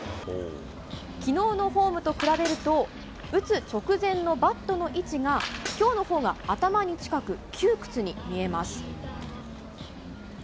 きのうのフォームと比べると打つ直前のバットの位置が、きょうのほうが頭に近く窮屈に見えます。